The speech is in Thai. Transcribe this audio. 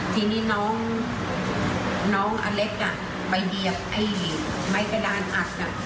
ทีนี้น้องอเล็กไปเหยียบไอ้ไม้กระดานอัด